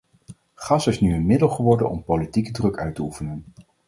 Gas is nu een middel geworden om politieke druk uit te oefenen.